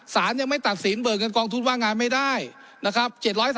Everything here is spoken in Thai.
สารยังไม่ตัดสินเบิกเงินกองทุนว่างงานไม่ได้นะครับ